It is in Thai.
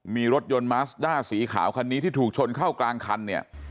มีรถยนต์มัสด้าสีขาวคันนี้ที่ถูกชนเข้ากลางคันเนี่ย